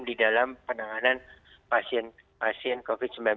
di dalam penanganan pasien covid sembilan belas